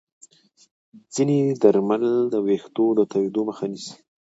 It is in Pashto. ځینې درمل د ویښتو د توییدو مخه نیسي.